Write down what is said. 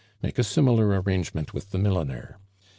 Make a similar arrangement with the milliner.